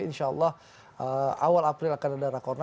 insya allah awal april akan ada rakorna